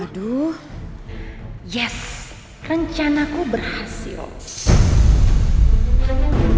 aduh yes rencanaku berhasil